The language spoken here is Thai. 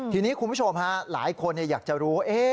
ทีนี้คุณผู้ชมหลายคนอยากจะรู้